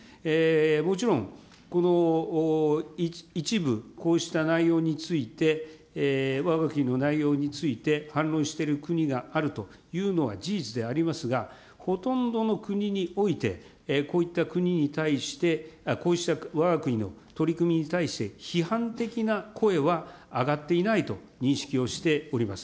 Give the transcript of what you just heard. もちろん、この一部、こうした内容について、わが国の内容について、反論している国があるというのは事実でありますが、ほとんどの国において、こういった国に対して、こうしたわが国の取り組みに対して、批判的な声は上がっていないと認識をしております。